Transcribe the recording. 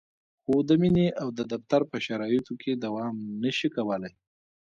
خو د مینې او د دفتر په شرایطو کې دوام نشي کولای.